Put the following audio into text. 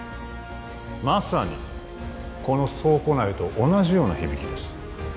まさにこの倉庫内と同じような響きです